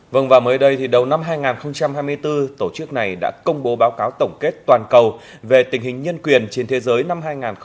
vâng và mới đây thì đầu năm hai nghìn hai mươi bốn tổ chức này đã công bố báo cáo tổng kết toàn cầu về tình hình nhân quyền trên thế giới năm hai nghìn hai mươi ba